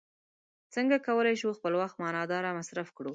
څنګه کولی شو خپل وخت معنا داره مصرف کړو.